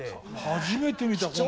初めて見たこんなの！